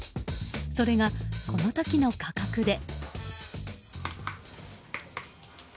それが、この時の価格で。